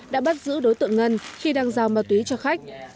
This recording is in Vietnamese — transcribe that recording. đã bắt giữ đối tượng ngân khi đang giao ma túy cho khách